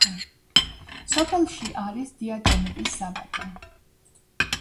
სოფელში არის დიატომიტის საბადო.